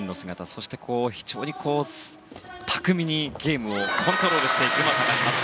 そして非常に巧みにゲームをコントロールしていくうまさがあります。